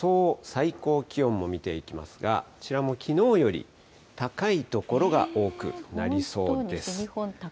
最高気温も見ていきますが、こちらもきのうより高い所が多くなりそうです。